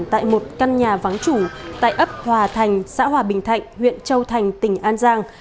tại một căn nhà vắng chủ tại ấp hòa thành xã hòa bình thạnh huyện châu thành tỉnh an giang